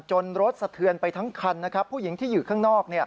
รถสะเทือนไปทั้งคันนะครับผู้หญิงที่อยู่ข้างนอก